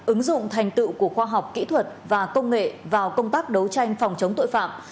ứng dụng thành tựu của khoa học kỹ thuật và công nghệ vào công tác đấu tranh phòng chống tội phạm